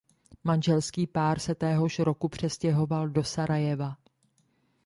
Manželský pár se téhož roku přestěhoval do Sarajeva.